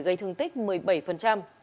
gây thương tích một mươi bảy